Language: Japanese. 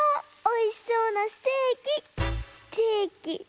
おいしそうなステーキ！